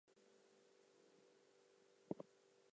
The floor was laid with black and red tiles.